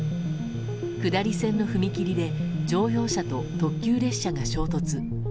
下り線の踏切で乗用車と特急列車が衝突。